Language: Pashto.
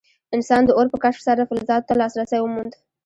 انسان د اور په کشف سره فلزاتو ته لاسرسی وموند.